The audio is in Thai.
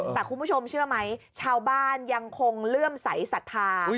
แต่คุณผู้ชมเชื่อไหมชาวบ้านยังคงเลื่อมใสสัทธา